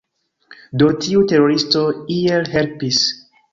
Do, tiu teroristo iel helpis